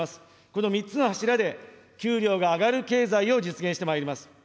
この３つの柱で、給料が上がる経済を実現してまいります。